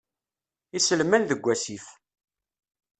Iselman deg wasif.